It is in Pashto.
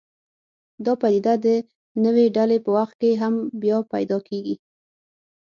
دا پدیده د نوې ډلې په وخت کې هم بیا پیدا کېږي.